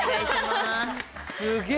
すげえ。